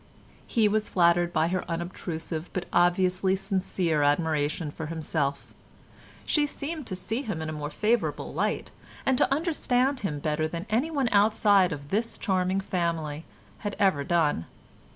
He was flattered by her unobtrusive but obviously sincere admiration for himself; she seemed to see him in a more favourable light, and to understand him better than anyone outside of this charming family had ever done.